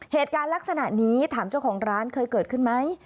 เหตุการณ์ลักษณะนี้ถามเจ้าของร้านเคยเกิดขึ้นไหม